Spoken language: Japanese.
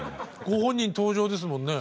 ご本人登場ですもんね。